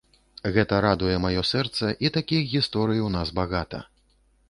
Гэта радуе маё сэрца, і такіх гісторый у нас багата.